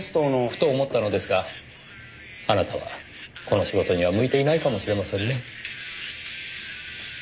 ふと思ったのですがあなたはこの仕事には向いていないかもしれませんねぇ。